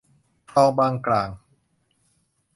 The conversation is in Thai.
คลองบางกร่าง